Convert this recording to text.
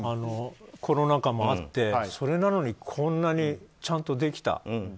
コロナ禍もあって、それなのにこんなにちゃんとできた。